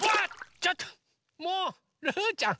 ちょっともうルーちゃん